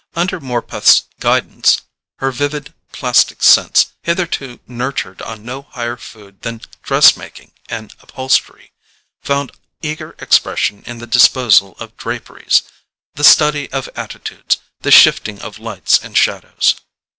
Under Morpeth's guidance her vivid plastic sense, hitherto nurtured on no higher food than dress making and upholstery, found eager expression in the disposal of draperies, the study of attitudes, the shifting of lights and shadows.